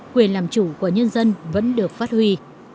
quyền làm chủ của nhân dân vẫn được phát huy